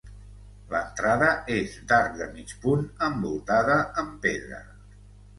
L'entrada és d'arc de mig punt, envoltada amb pedra.